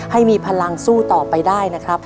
ให้มีพลังสู้ต่อไปได้นะครับ